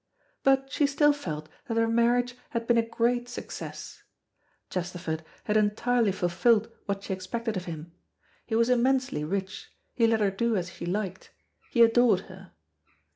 But she still felt that her marriage had been a great success. Chesterford had entirely fulfilled what she expected of him: he was immensely rich, he let her do as she liked, he adored her.